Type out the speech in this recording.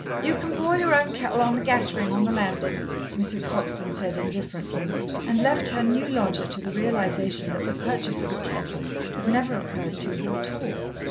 "You can boil your own kettle on the gas ring on the landing," Mrs. Hoxton said indifferently, and left her new lodger to the realization that the purchase of a kettle had never occurred to her at all.